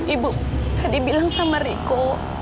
ibu tadi bilang sama riko